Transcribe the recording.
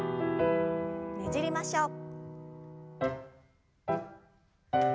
ねじりましょう。